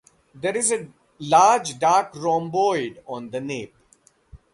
There is a large dark rhomboid on the nape.